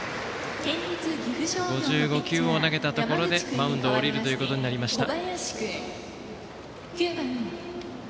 ５５球を投げたところでマウンドを降りることになりました。